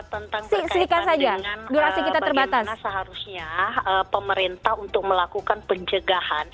tentang berkaitan dengan bagaimana seharusnya pemerintah untuk melakukan penjagaan